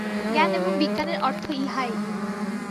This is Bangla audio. জ্ঞান এবং বিজ্ঞানের অর্থ ইহাই।